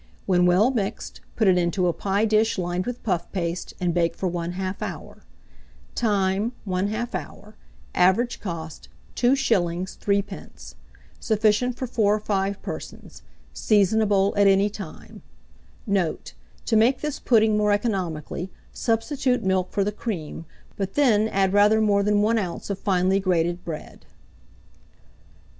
When well mixed, put it into a pie dish lined with puff paste, and bake for 1/2 hour. Time. 1/2 hour. Average cost, 2s. 3d. Sufficient for 4 or 5 persons. Seasonable at any time. Note. To make this pudding more economically, substitute milk for the cream; but then add rather more than 1 oz. of finely grated bread.